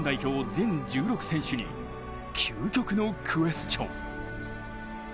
全１６選手に究極のクエスチョン。